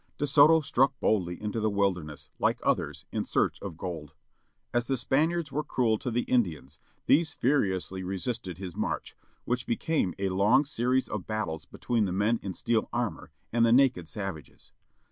De Soto struck boldly into the wilderness, like others, in search of gold. As the Spaniards were cruel to the Indians these fviriously resisted his march, which be came a long series of battles between the men in steel armour and the naked savages.